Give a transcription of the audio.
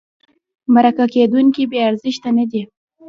مرکه کېدونکی بې ارزښته نه دی.